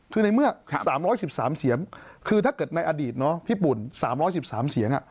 คือในเมื่อ๓๑๓เสียงคือถ้าเกิดในอดีตพี่ปุ่น๓๑๓เสียง